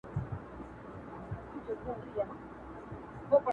اوږد حديث شريف دی.